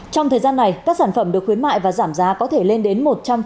trong thời gian này các sản phẩm được khuyến mại và giảm giá có thể lên đến một trăm linh